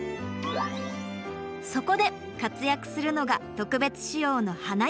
そこで活躍するのが特別仕様の花嫁タクシー。